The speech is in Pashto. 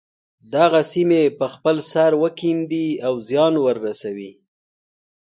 دغه سیمې په خپل سر وکیندي او زیان ورسوي.